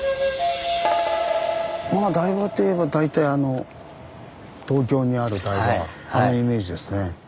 まあ台場っていえば大体あの東京にある台場あのイメージですね。